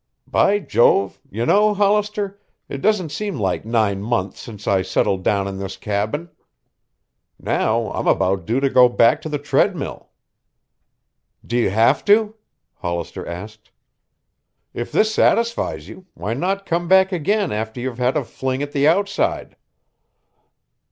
By Jove, you know, Hollister, it doesn't seem like nine months since I settled down in this cabin. Now I'm about due to go back to the treadmill." "Do you have to?" Hollister asked. "If this satisfies you, why not come back again after you've had a fling at the outside?"